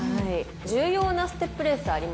重要なステップレースありますか？